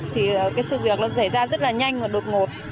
thì cái sự việc nó xảy ra rất là nhanh và đột ngột